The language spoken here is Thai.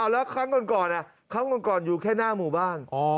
แล้วครั้งก่อนอยู่แค่หน้าหมู่บ้าน